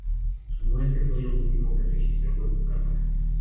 Su muerte fue lo último que registró con su cámara.